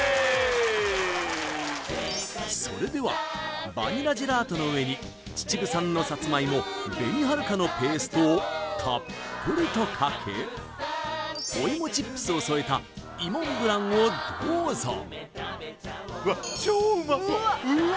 それではバニラジェラートの上に秩父産のさつまいも紅はるかのペーストをたっぷりとかけお芋チップスを添えたいもんぶらんをどうぞうわ超うまそううわ